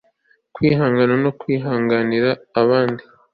kwihangana no kwihanganira abandi